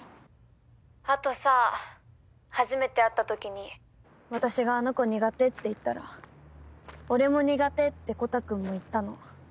あとさ初めて会った時に私が「あの子苦手」って言ったら「俺も苦手」ってコタくんも言ったの。